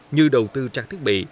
như đầu tư trang thiết bị